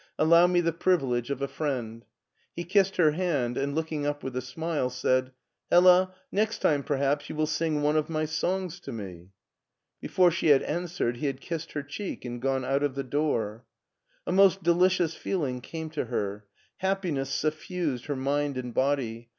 Allow me the privilege of a friend." He kissed her hand, and, looking up with a smile, said: " Hella, next time perhaps you will sing one of my songs to me." Before she had answered he had kissed her cheek and gone out of the door. A most delicious feeling came to her. Happiness suffused her mind and body.